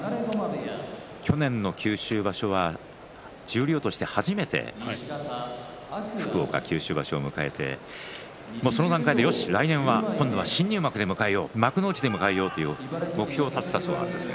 去年の九州場所は十両として初めて福岡九州場所を迎えてその段階でよし、来年は新入幕で、幕内で迎えようという目標を立てたそうです。